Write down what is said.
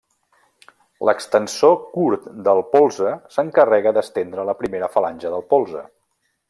L'extensor curt del polze s'encarrega d'estendre la primera falange del polze.